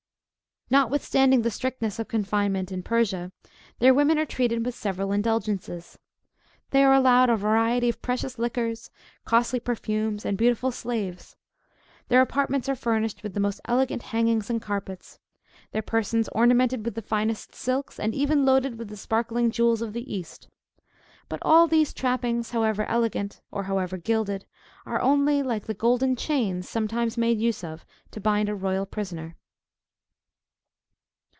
Notwithstanding the strictness of confinement in Persia, their women are treated with several indulgences. They are allowed a variety of precious liquors, costly perfumes, and beautiful slaves: their apartments are furnished with the most elegant hangings and carpets; their persons ornamented with the finest silks, and even loaded with the sparkling jewels of the East. But all these trappings, however elegant, or however gilded, are only like the golden chains sometimes made use of to bind a royal prisoner.